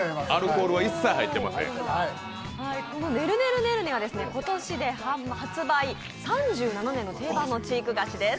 ねるねるねるねは今年で発売３７年の定番知育菓子です。